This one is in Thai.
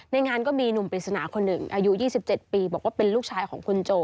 งานก็มีหนุ่มปริศนาคนหนึ่งอายุ๒๗ปีบอกว่าเป็นลูกชายของคุณโจ